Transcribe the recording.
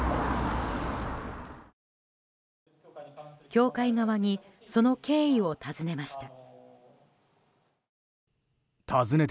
教会側にその経緯を尋ねました。